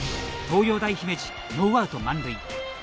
東洋大姫路、ノーアウト満塁。